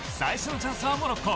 最初のチャンスはモロッコ。